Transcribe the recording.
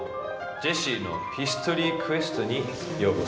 ジェシーのヒストリークエストにようこそ。